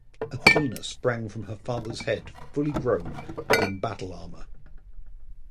Athena sprang from her father's head, fully grown, and in battle armor.